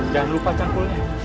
jangan lupa cangkulnya